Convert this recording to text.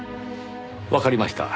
わかりました。